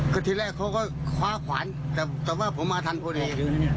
ก็ทีแรกเขาก็คว้าขวานแต่ว่าผมมาทันพอดี